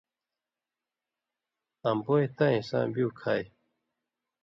آں بوئے تاں حِصاں بِیُو کھائ۔